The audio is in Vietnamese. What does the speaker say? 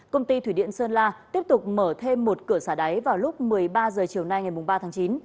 công ty thủy điện sơn la tiếp tục mở thêm một cửa xả đáy vào lúc một mươi ba h chiều nay ngày ba tháng chín